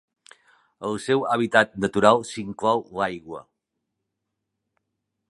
El seu hàbitat natural s'inclou l'aigua.